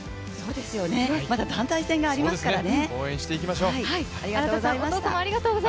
まだ団体戦がありますからね。